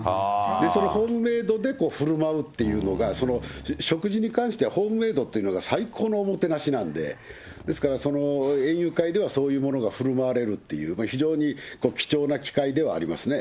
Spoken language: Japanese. そのホームメードでふるまうというのが、食事に関してはホームメードというのが最高のおもてなしなんで、ですから園遊会ではそういうものがふるまわれるっていう、非常に貴重な機会ではありますね。